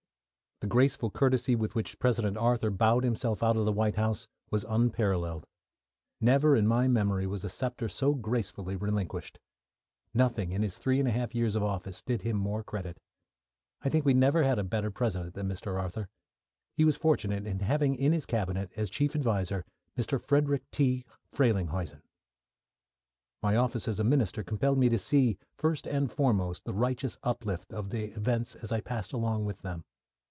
The graceful courtesy with which President Arthur bowed himself out of the White House was unparalleled. Never in my memory was a sceptre so gracefully relinquished. Nothing in his three and a half years of office did him more credit. I think we never had a better President than Mr. Arthur. He was fortunate in having in his Cabinet as chief adviser Mr. Frederick T. Frelinghuysen. My office as a minister compelled me to see, first and foremost, the righteous uplift of the events as I passed along with them.